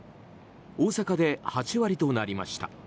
大阪で８割となりました。